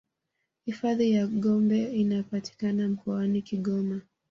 hifadhi ya gombe inapatikana mkoani kigoma